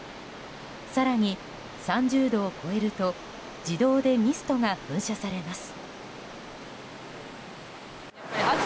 更に、３０度を超えると自動でミストが噴射されます。